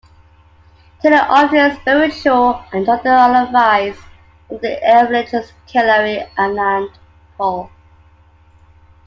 Taylor obtained spiritual and other advice from the evangelist Kilari Anand Paul.